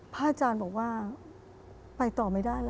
อาจารย์บอกว่าไปต่อไม่ได้แล้ว